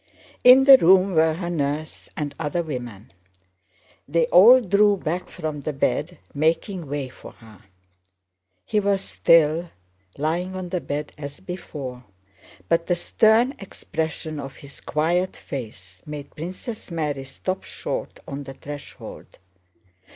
In the room were her nurse and other women. They all drew back from the bed, making way for her. He was still lying on the bed as before, but the stern expression of his quiet face made Princess Mary stop short on the threshold.